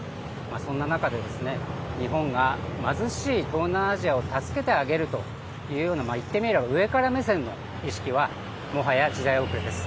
そんな中で、日本が貧しい東南アジアを助けてあげるというような、言ってみれば上から目線の意識は、もはや時代遅れです。